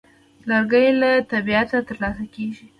لرګی له طبیعته ترلاسه کېږي.